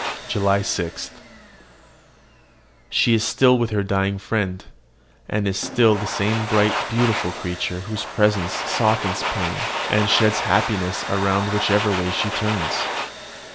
JULY 6. She is still with her dying friend, and is still the same bright, beautiful creature whose presence softens pain, and sheds happiness around whichever way she turns.